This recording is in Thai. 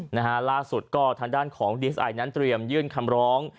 นะฮะล่าสุดก็ทางด้านของดีเอสไอนั้นเตรียมยื่นคำร้อง